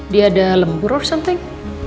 dia ada lembur of something